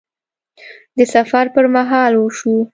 د سفر پر مهال وشو